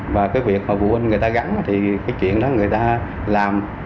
và cái việc mà phụ huynh người ta gắn thì cái chuyện đó người ta làm